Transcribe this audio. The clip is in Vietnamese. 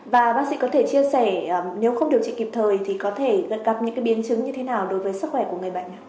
và bác sĩ có thể chia sẻ nếu không điều trị kịp thời thì có thể gặp những biến chứng như thế nào đối với sức khỏe của người bệnh